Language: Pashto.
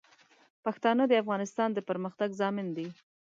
پښتانه د افغانستان د پرمختګ ضامن دي.